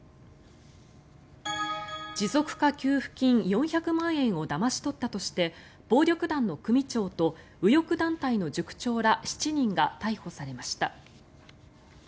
持続化給付金４００万円をだまし取ったとして暴力団の組長と右翼団体の塾長ら７人が逮捕されました。